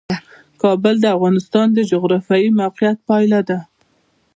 کابل د افغانستان د جغرافیایي موقیعت پایله ده.